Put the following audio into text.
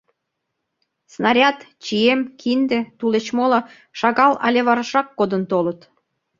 Снаряд, чием, кинде, тулеч моло шагал але варашрак кодын толыт.